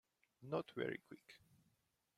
Not very quick.